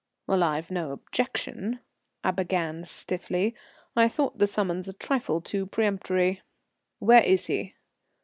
"Well, I've no objection," I began, stiffly. I thought the summons a trifle too peremptory. "Where is he?"